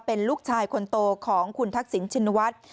เป็นลูกชายคนโตของคุณทักษิณชินวัฒน์